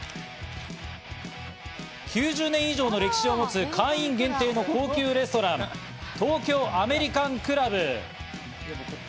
９０年以上の歴史を持つ会員限定の高級レストラン、東京アメリカンクラブ。